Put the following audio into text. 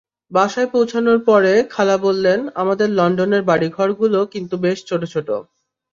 বাসায় পৌঁছানোর পথে খালা বললেন, আমাদের লন্ডনের বাড়িঘরগুলো কিন্তু বেশ ছোট ছোট।